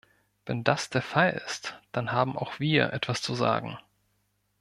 Wenn das der Fall ist, dann haben auch wir etwas zu sagen.